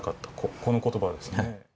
この言葉ですね。